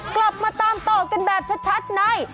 กลับมาตามต่อกันแบบชัดใน